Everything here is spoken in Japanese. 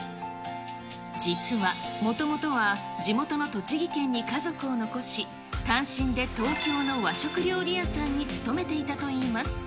実はもともとは地元の栃木県に家族を残し、単身で東京の和食料理屋さんに勤めていたといいます。